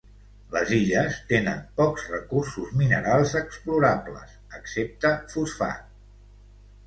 Les illes tenen pocs recursos minerals explorables, excepte fosfat.